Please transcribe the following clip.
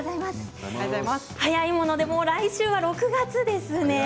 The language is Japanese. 早いもので来週は６月ですね。